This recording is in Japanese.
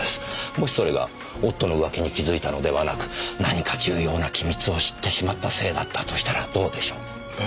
もしそれが夫の浮気に気付いたのではなく何か重要な機密を知ってしまったせいだったとしたらどうでしょう？え？